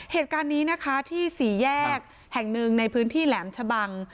เหตุการณ์นี้นะคะที่สี่แยกแห่งหนึ่งในพื้นที่แหลมชะบัง